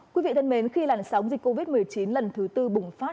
quý vị thân mến khi làn sóng dịch covid một mươi chín lần thứ tư bùng phát